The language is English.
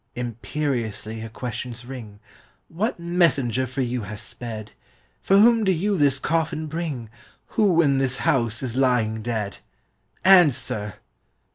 Imperiously her questions ring :" What messenger for you has sped ? For whom do you this coffin bring ? Who in this house is lying dead ? 28 " Answer